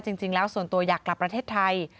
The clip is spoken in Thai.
จริงแล้วส่วนตัวอยากกลับประเทศไทย